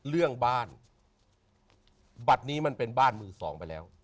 เรื่องบ้านบัตรนี้มันเป็นบ้านมือสองไปแล้ว